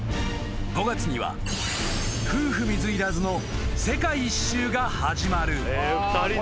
［５月には夫婦水入らずの世界一周が始まる］